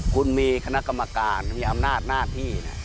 คุณมีคณะกรรมการมีอำนาจหน้าที่